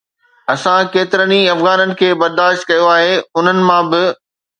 اسان ڪيترن ئي افغانن کي برداشت ڪيو آهي، انهن مان به